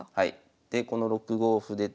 でこの６五歩で。